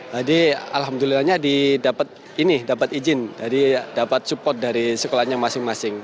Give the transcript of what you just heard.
jadi alhamdulillahnya dapat izin dapat support dari sekolahnya masing masing